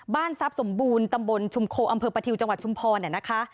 ทรัพย์สมบูรณ์ตำบลชุมโคอำเภอประทิวจังหวัดชุมพรเนี่ยนะคะ